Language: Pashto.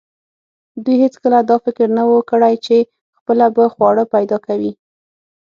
دوی هیڅکله دا فکر نه و کړی چې خپله به خواړه پیدا کوي.